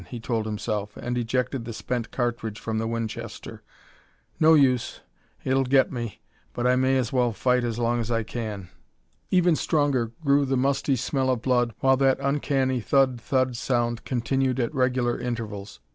he told himself, and ejected the spent cartridge from the Winchester. "No use it'll get me, but I may as well fight as long as I can." Even stronger grew the musty smell of blood while that uncanny thud! thud! sound continued at regular intervals.